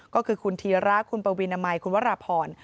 ก็คือคุณธีระคุณปวีนามัยคุณวราพร